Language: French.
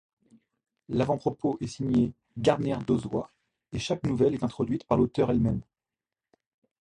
L'avant-propos est signé Gardner Dozois et chaque nouvelle est introduite par l'auteur elle-même.